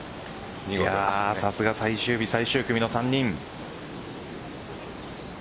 さすが最終日、最終組の３人。